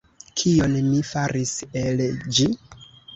Kion mi faris el ĝi?